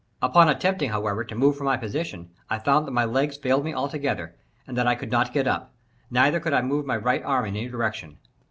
Upon attempting, however, to move from my position, I found that my legs failed me altogether, and that I could not get up; neither could I move my right arm in any direction.